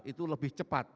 itu lebih cepat